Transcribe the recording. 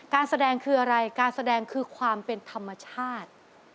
การแสดงคืออะไรการแสดงคือความเป็นธรรมชาติ